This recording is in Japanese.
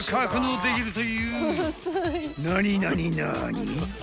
［何何何？］